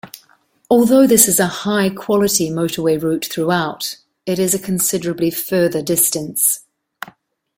Although this is a high-quality motorway route throughout, it is a considerably further distance.